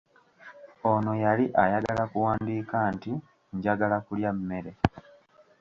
Ono yali ayagala kuwandiika nti njagala kulya mmere.